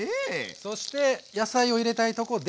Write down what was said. そして野菜を入れたいとこですが。